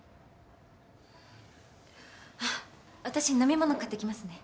私飲み物買ってきますね。